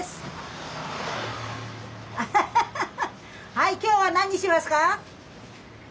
はい今日は何にしますか？